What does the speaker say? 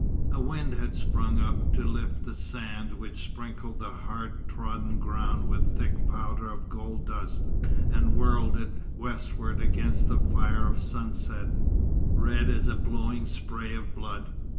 A wind had sprung up, to lift the sand which sprinkled the hard trodden ground with thick powder of gold dust, and whirl it westward against the fire of sunset, red as a blowing spray of blood.